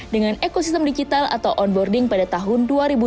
dengan ekosistem digital atau onboarding pada tahun dua ribu dua puluh